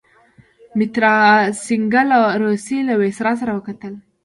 مترا سینګه له روسيې له ویسرا سره وکتل.